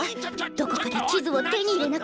どこかで地図を手に入れなくちゃ。